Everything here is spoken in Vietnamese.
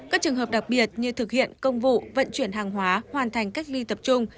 các trường hợp đặc biệt như thực hiện công vụ vận chuyển hàng hóa hoàn thành cách ly tập trung